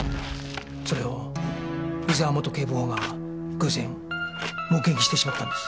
それを伊沢元警部補が偶然目撃してしまったんです。